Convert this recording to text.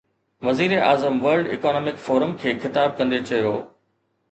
وزيراعظم world economic forum کي خطاب ڪندي چيو